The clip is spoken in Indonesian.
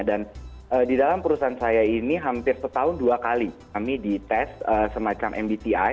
dan di dalam perusahaan saya ini hampir setahun dua kali kami di tes semacam mbti